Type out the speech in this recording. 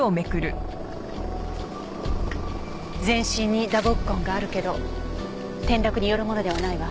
全身に打撲痕があるけど転落によるものではないわ。